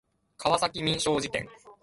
川崎民商事件